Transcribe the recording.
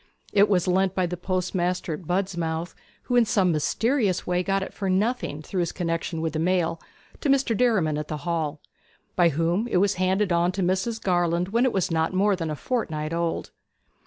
It was lent by the postmaster at Budmouth (who, in some mysterious way, got it for nothing through his connexion with the mail) to Mr. Derriman at the Hall, by whom it was handed on to Mrs. Garland when it was not more than a fortnight old.